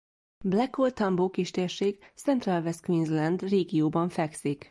Blackall-Tambo kistérség Central West Queensland régióban fekszik.